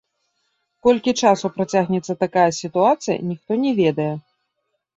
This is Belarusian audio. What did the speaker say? Колькі часу працягнецца такая сітуацыя, ніхто не ведае.